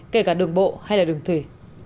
kể cả đường bộ hay là đường thủy